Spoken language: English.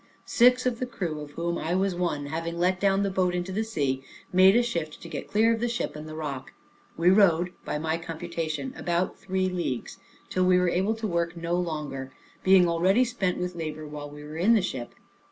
Six of the crew, of whom I was one, having let down the boat into the sea, made a shift to get clear of the ship and the rock. We rowed, by my computation, about three leagues, till we were able to work no longer, being already spent with labor while we were in the ship.